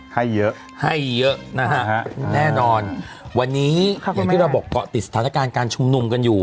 ให้เยอะให้เยอะนะฮะแน่นอนวันนี้อย่างที่เราบอกเกาะติดสถานการณ์การชุมนุมกันอยู่